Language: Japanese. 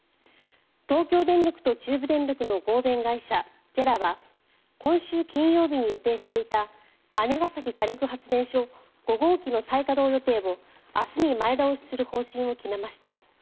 東京電力と中部電力の合弁会社ＪＥＲＡは今週金曜日に予定していた姉崎火力発電所５号機の再稼働予定を、明日に前倒しする方針を決めました。